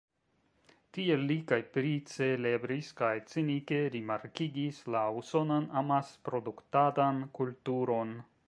Tiel li kaj pricelebris kaj cinike rimarkigis la usonan amasproduktadan kulturon.